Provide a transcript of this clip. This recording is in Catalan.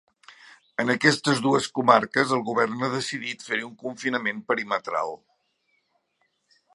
En aquestes dues comarques el govern ha decidit fer-hi un confinament perimetral.